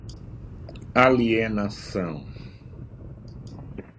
alienação